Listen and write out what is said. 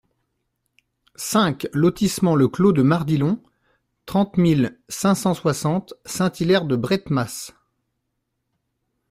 cinq lotissement Le Clos de Mardilhon, trente mille cinq cent soixante Saint-Hilaire-de-Brethmas